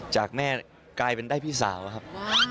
จากแม่กลายเป็นได้พี่สาวครับ